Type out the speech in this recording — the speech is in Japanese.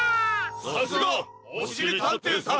さすが！おしりたんていさん。